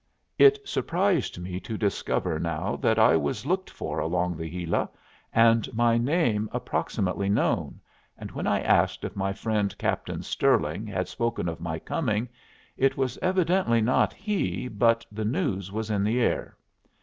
It surprised me to discover now that I was looked for along the Gila, and my name approximately known, and when I asked if my friend Captain Stirling had spoken of my coming, it was evidently not he, but the news was in the air.